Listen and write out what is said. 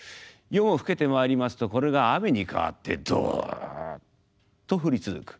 夜も更けてまいりますとこれが雨に変わってドッと降り続く。